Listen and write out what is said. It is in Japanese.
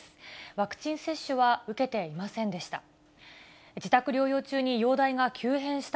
ワクチン接種は受けていませんでした。